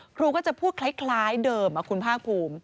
ครูก็จะพูดคล้ายเดิมคุณภาคภูมิ